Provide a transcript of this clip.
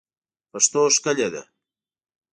پښتو ښکلې ده